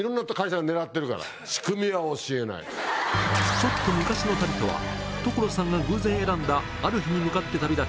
「ちょっと昔の旅」とは所さんが偶然選んだある日に向かって旅立ち